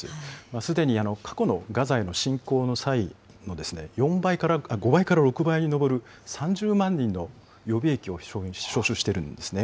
すでに過去のガザへの侵攻の際の５倍から６倍に上る３０万人の予備役を招集してるんですね。